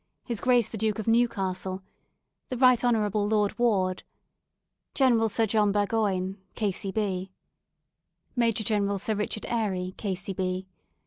His Grace the Duke of Newcastle. The Right Hon. Lord Ward. General Sir John Burgoyne, K.C.B. Major General Sir Richard Airey, K.C.